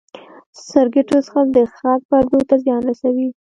سګرټو څښل د غږ پردو ته زیان رسوي.